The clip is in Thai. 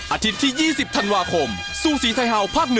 อาทิตย์ที่๒๐ธันวาคมซูสีไทยเฮาภาค๑